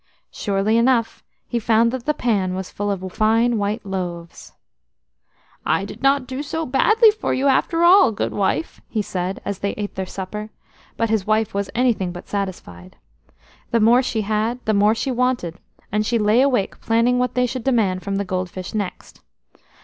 Surely enough, he found that the pan was full of fine white loaves. "I did not do so badly for you after all, good wife!" he said, as they ate their supper; but his wife was anything but satisfied. The more she had, the more she wanted, and she lay awake planning what they should demand from the gold fish next.